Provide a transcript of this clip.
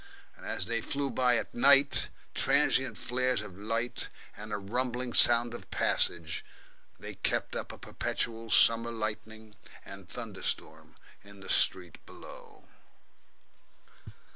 As they flew by at night, transient flares of light and a rumbling sound of passage, they kept up a perpetual summer lightning and thunderstorm in the street below.